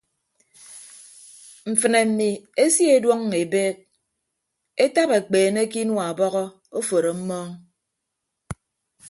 Mfịnne mmi esie ọduọñọ ebeek etap ekpeene ke inua ọbọhọ oforo mmọọñ.